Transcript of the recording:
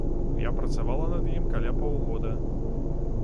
Я працавала над ім каля паўгода.